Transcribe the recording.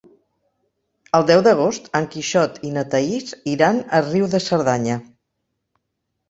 El deu d'agost en Quixot i na Thaís iran a Riu de Cerdanya.